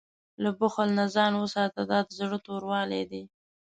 له بخل نه ځان وساته، دا د زړه توروالی دی.